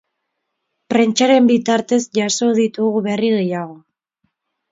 Prentsaren bitartez jaso ditugu berri gehiago.